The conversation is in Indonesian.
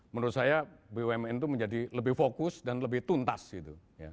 menurut saya bumn itu menjadi lebih fokus dan lebih tuntas gitu